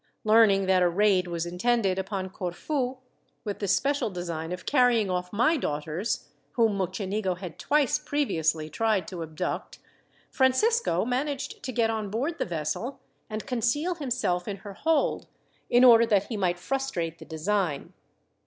Learning that a raid was intended upon Corfu, with the special design of carrying off my daughters, whom Mocenigo had twice previously tried to abduct, Francisco managed to get on board the vessel, and conceal himself in her hold, in order that he might frustrate the design.